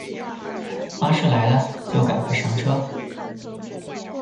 巴士来了就赶快上车